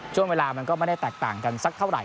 ช่วงเวลามันก็ไม่ได้แตกต่างกันสักเท่าไห